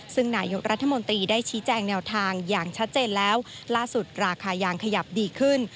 ซึ่งนายกรัฐมนตรีได้ชี้แจงแนวทางอย่างชัดเจนแล้วล่าสุดราคายางขยับดีขึ้น